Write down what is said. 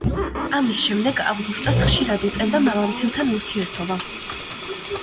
ამის შემდეგ ავგუსტას ხშირად უწევდა მამამთილთან ურთიერთობა.